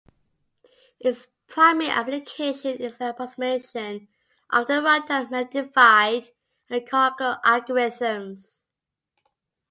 Its primary application is the approximation of the runtime of many divide-and-conquer algorithms.